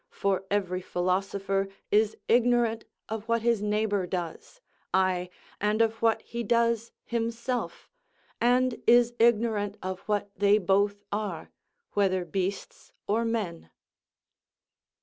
For every philosopher is ignorant of what his neighbour does; aye, and of what he does himself, and is ignorant of what they both are, whether beasts or men."